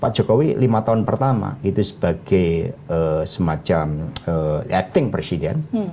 pak jokowi lima tahun pertama itu sebagai semacam acting presiden